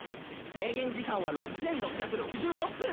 「制限時間は６６６６分」。